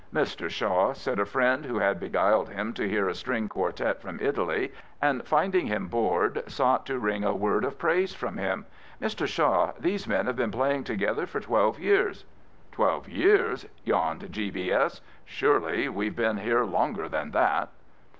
"" Mr. Shaw," said a friend who had beguiled him to hear a string quartette from Italy, and, finding him bored, sought to wring a word of praise from him —" Mr. Shaw, these men have been playing together for twelve years." " Twelve years ?" yawned G. B. S. " Surely we've been here longer than that."